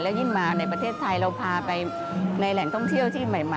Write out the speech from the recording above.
ยิ่งมาในประเทศไทยเราพาไปในแหล่งท่องเที่ยวที่ใหม่